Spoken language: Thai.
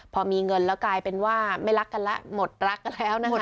พอมีเงินแล้วกลายเป็นว่าไม่รักกันแล้วหมดรักแล้วนะคะ